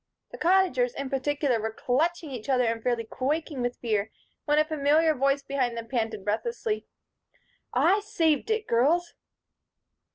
The Cottagers, in particular, were clutching each other and fairly quaking with fear when a familiar voice behind them panted breathlessly: "I saved it, girls."